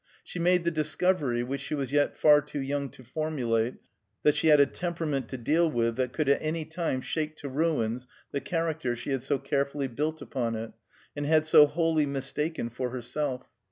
She made the discovery, which she was yet far too young to formulate, that she had a temperament to deal with that could at any time shake to ruins the character she had so carefully built upon it, and had so wholly mistaken for herself.